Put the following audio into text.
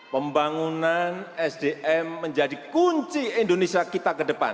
pembangunan sdm menjadi kunci indonesia kita ke depan